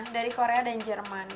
dari korea dan jerman